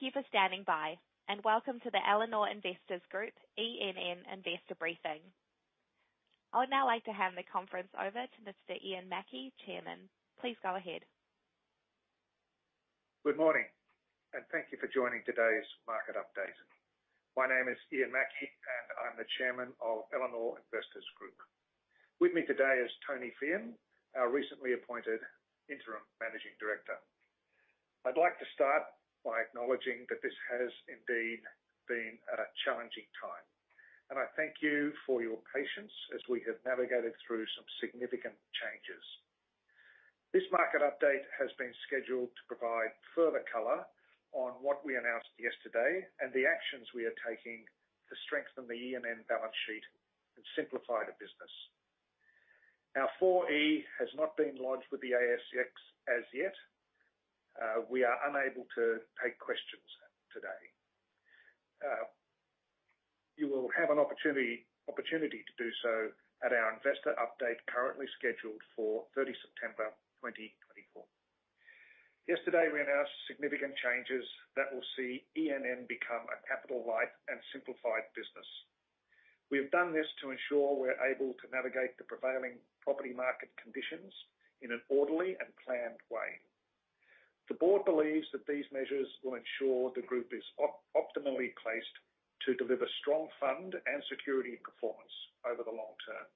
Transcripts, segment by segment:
Thank you for standing by, and welcome to the Elanor Investors Group, ENN Investor Briefing. I would now like to hand the conference over to Mr. Ian Mackie, Chairman. Please go ahead. Good morning, and thank you for joining today's market update. My name is Ian Mackie, and I'm the chairman of Elanor Investors Group. With me today is Tony Fehon, our recently appointed interim managing director. I'd like to start by acknowledging that this has indeed been a challenging time, and I thank you for your patience as we have navigated through some significant changes. This market update has been scheduled to provide further color on what we announced yesterday and the actions we are taking to strengthen the ENN balance sheet and simplify the business. Our 4E has not been lodged with the ASX as yet. We are unable to take questions today. You will have an opportunity to do so at our investor update, currently scheduled for 30 September 2024. Yesterday, we announced significant changes that will see ENN become a capital-light and simplified business. We have done this to ensure we're able to navigate the prevailing property market conditions in an orderly and planned way. The board believes that these measures will ensure the group is optimally placed to deliver strong fund and security performance over the long term.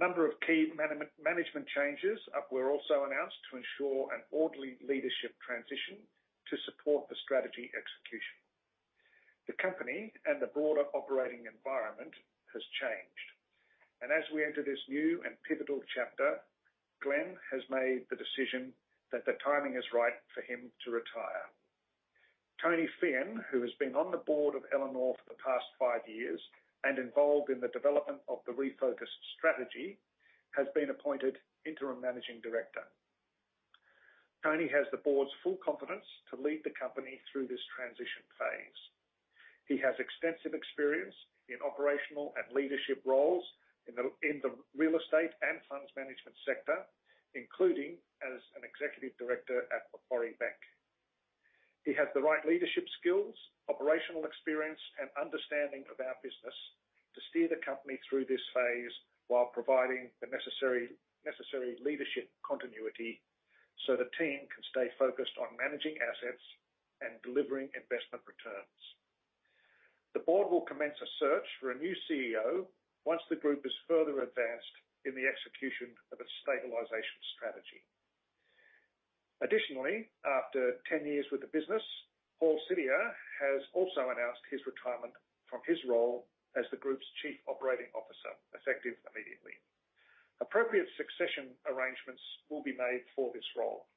A number of key management changes were also announced to ensure an orderly leadership transition to support the strategy execution. The company and the broader operating environment has changed, and as we enter this new and pivotal chapter, Glenn has made the decision that the timing is right for him to retire. Tony Fehon, who has been on the board of Elanor for the past five years and involved in the development of the refocused strategy, has been appointed Interim Managing Director. Tony has the board's full confidence to lead the company through this transition phase. He has extensive experience in operational and leadership roles in the real estate and funds management sector, including as an executive director at Macquarie Bank. He has the right leadership skills, operational experience, and understanding of our business to steer the company through this phase, while providing the necessary leadership continuity, so the team can stay focused on managing assets and delivering investment returns. The board will commence a search for a new CEO once the group is further advanced in the execution of a stabilization strategy. Additionally, after ten years with the business, Paul Sarter has also announced his retirement from his role as the group's Chief Operating Officer, effective immediately. Appropriate succession arrangements will be made for this role.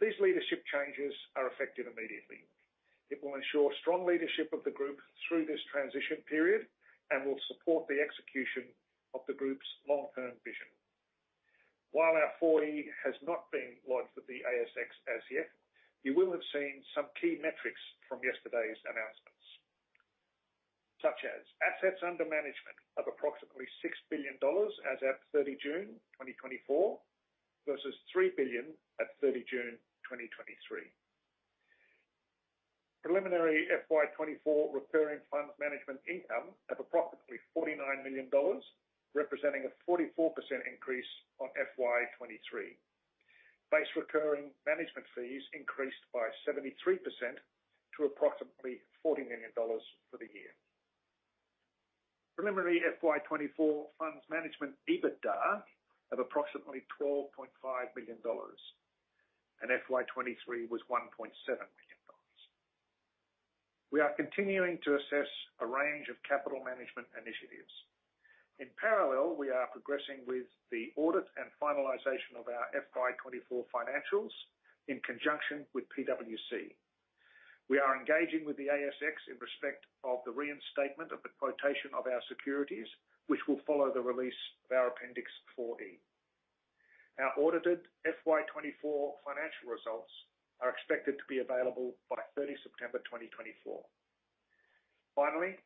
These leadership changes are effective immediately. It will ensure strong leadership of the group through this transition period and will support the execution of the group's long-term vision. While our Appendix 4E has not been lodged with the ASX as yet, you will have seen some key metrics from yesterday's announcements, such as assets under management of approximately 6 billion dollars as at 30 June 2024, versus 3 billion at 30 June 2023. Preliminary FY 2024 recurring funds management income of approximately 49 million dollars, representing a 44% increase on FY 2023. Base recurring management fees increased by 73% to approximately 40 million dollars for the year. Preliminary FY 2024 funds management EBITDA of approximately 12.5 billion dollars, and FY 2023 was 1.7 billion dollars. We are continuing to assess a range of capital management initiatives. In parallel, we are progressing with the audit and finalization of our FY twenty-four financials in conjunction with PwC. We are engaging with the ASX in respect of the reinstatement of the quotation of our securities, which will follow the release of our Appendix 4E. Our audited FY twenty-four financial results are expected to be available by 30 September 2024. Finally,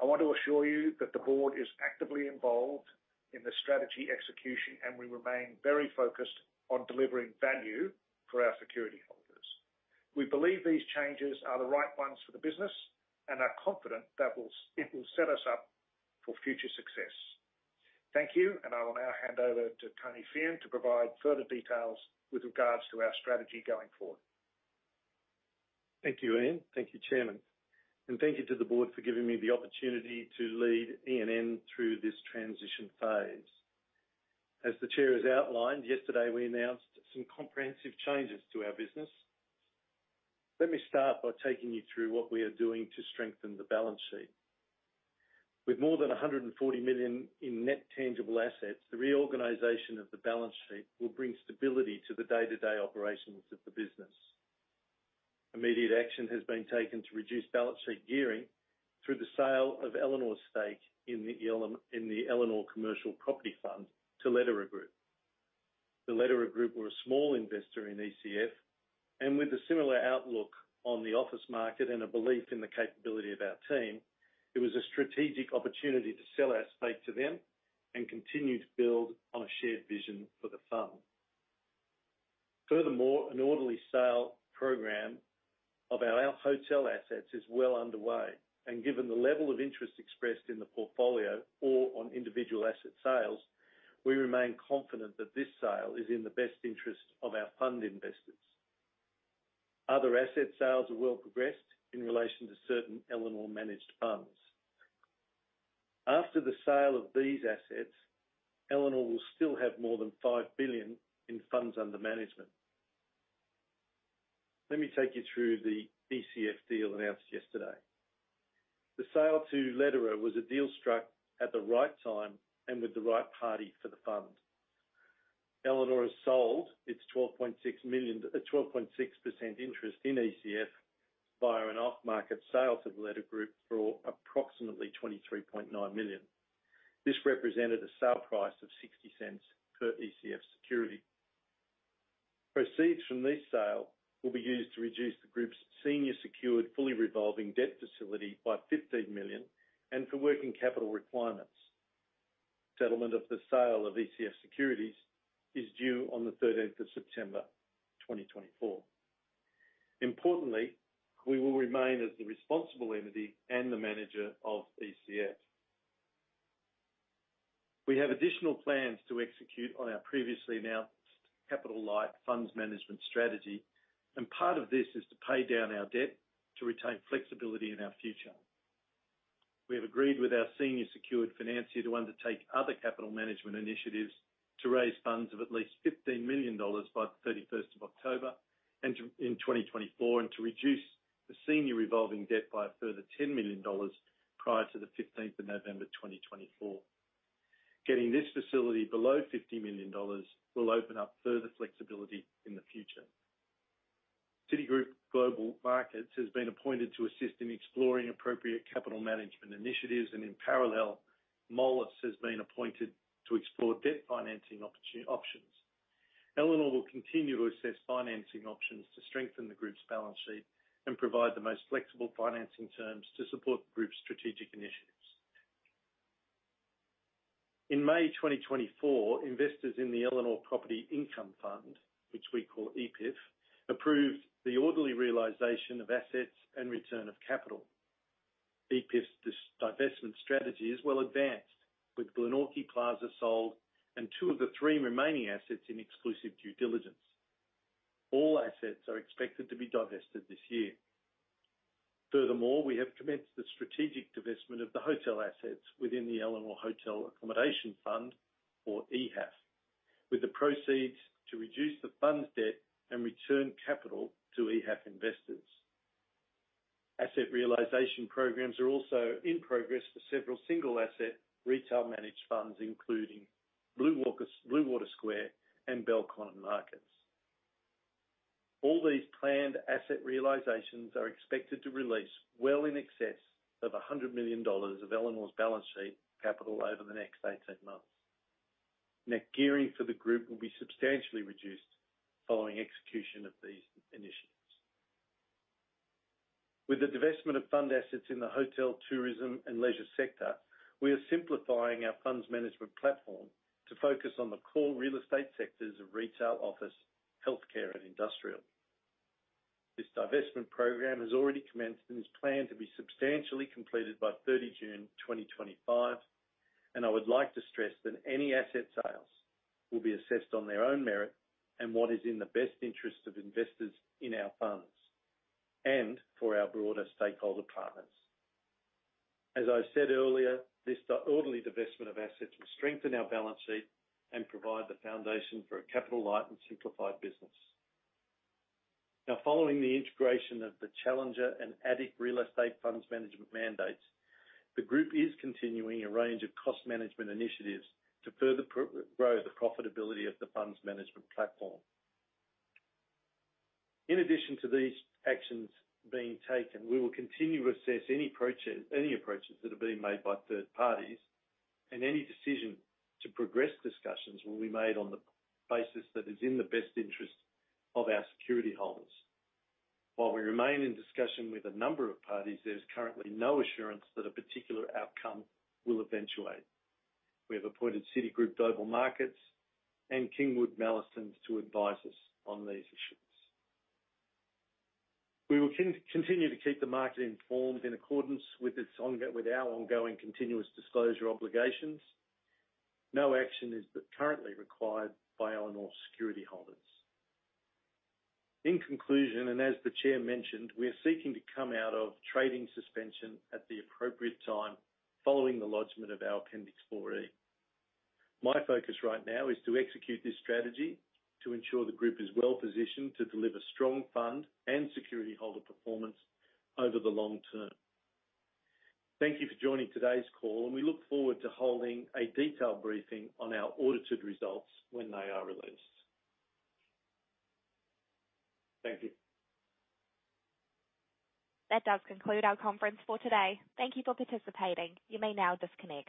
I want to assure you that the board is actively involved in the strategy execution, and we remain very focused on delivering value for our security holders. We believe these changes are the right ones for the business and are confident that it will set us up for future success. Thank you, and I will now hand over to Tony Fehon to provide further details with regards to our strategy going forward. Thank you, Ian. Thank you, Chairman, and thank you to the board for giving me the opportunity to lead ENN through this transition phase. As the chair has outlined, yesterday, we announced some comprehensive changes to our business. Let me start by taking you through what we are doing to strengthen the balance sheet. With more than 140 million in net tangible assets, the reorganization of the balance sheet will bring stability to the day-to-day operations of the business. Immediate action has been taken to reduce balance sheet gearing through the sale of Elanor's stake in the Elanor Commercial Property Fund to Lederer Group. The Lederer Group were a small investor in ECF, and with a similar outlook on the office market and a belief in the capability of our team, it was a strategic opportunity to sell our stake to them. And continue to build on a shared vision for the fund. Furthermore, an orderly sale program of our out hotel assets is well underway, and given the level of interest expressed in the portfolio or on individual asset sales, we remain confident that this sale is in the best interest of our fund investors. Other asset sales are well progressed in relation to certain Elanor managed funds. After the sale of these assets, Elanor will still have more than 5 billion in funds under management. Let me take you through the ECF deal announced yesterday. The sale to Lederer was a deal struck at the right time and with the right party for the fund. Elanor has sold its 12.6% interest in ECF via an off-market sale to the Lederer Group for approximately 23.9 million. This represented a sale price of 0.60 per ECF security. Proceeds from this sale will be used to reduce the group's senior secured, fully revolving debt facility by 15 million and for working capital requirements. Settlement of the sale of ECF securities is due on the 13th of September, 2024. Importantly, we will remain as the responsible entity and the manager of ECF. We have additional plans to execute on our previously announced capital-light funds management strategy, and part of this is to pay down our debt to retain flexibility in our future. We have agreed with our senior secured financier to undertake other capital management initiatives to raise funds of at least 15 million dollars by the 31st of October in 2024, and to reduce the senior revolving debt by a further 10 million dollars prior to the 15th of November, 2024. Getting this facility below 50 million dollars will open up further flexibility in the future. Citigroup Global Markets has been appointed to assist in exploring appropriate capital management initiatives, and in parallel, Moelis has been appointed to explore debt financing opportunity options. Elanor will continue to assess financing options to strengthen the group's balance sheet and provide the most flexible financing terms to support the group's strategic initiatives. In May 2024, investors in the Elanor Property Income Fund, which we call EPIF, approved the orderly realization of assets and return of capital. EPIF's divestment strategy is well advanced, with Glenorchy Plaza sold and two of the three remaining assets in exclusive due diligence. All assets are expected to be divested this year. Furthermore, we have commenced the strategic divestment of the hotel assets within the Elanor Hotel Accommodation Fund, or EHAF, with the proceeds to reduce the fund's debt and return capital to EHAF investors. Asset realization programs are also in progress for several single-asset retail managed funds, including Bluewater Square and Belconnen Markets. All these planned asset realizations are expected to release well in excess of 100 million dollars of Elanor's balance sheet capital over the next eighteen months. Net gearing for the group will be substantially reduced following execution of these initiatives. With the divestment of fund assets in the hotel, tourism, and leisure sector, we are simplifying our funds management platform to focus on the core real estate sectors of retail, office, healthcare, and industrial. This divestment program has already commenced and is planned to be substantially completed by 30 June 2025, and I would like to stress that any asset sales will be assessed on their own merit and what is in the best interest of investors in our funds and for our broader stakeholder partners. As I said earlier, this orderly divestment of assets will strengthen our balance sheet and provide the foundation for a capital light and simplified business. Now, following the integration of the Challenger and ADIC real estate funds management mandates, the group is continuing a range of cost management initiatives to further grow the profitability of the funds management platform. In addition to these actions being taken, we will continue to assess any approaches that are being made by third parties, and any decision to progress discussions will be made on the basis that is in the best interest of our security holders. While we remain in discussion with a number of parties, there's currently no assurance that a particular outcome will eventuate. We have appointed Citigroup Global Markets and King & Wood Mallesons to advise us on these issues. We will continue to keep the market informed in accordance with with our ongoing continuous disclosure obligations. No action is currently required by Elanor security holders. In conclusion, and as the Chair mentioned, we are seeking to come out of trading suspension at the appropriate time following the lodgment of our Appendix 4E. My focus right now is to execute this strategy to ensure the group is well-positioned to deliver strong fund and security holder performance over the long term. Thank you for joining today's call, and we look forward to holding a detailed briefing on our audited results when they are released. Thank you. That does conclude our conference for today. Thank you for participating. You may now disconnect.